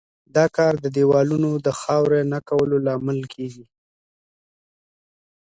دا کار د دېوالونو د خاوره نه کولو لامل کیږي.